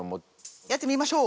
やってみましょう！